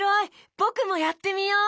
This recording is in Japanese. ぼくもやってみよ。